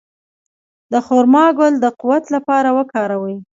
د خرما ګل د قوت لپاره وکاروئ